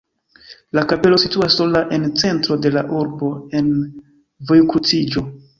La kapelo situas sola en centro de la urbo en vojkruciĝo.